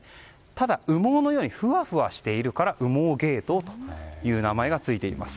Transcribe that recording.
ただ、羽毛のようにふわふわしているから羽毛ゲイトウという名前がついています。